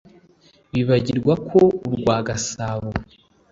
Bibagirwa ko urwa Gasabo